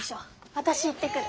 私行ってくる。